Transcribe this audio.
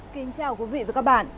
kính chào quý vị và các bạn